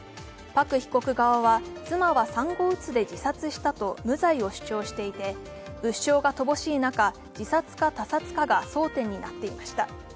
パク被告側は妻は産後うつで自殺したと無罪を主張していて物証が乏しい中、自殺か他殺かが争点になっていました。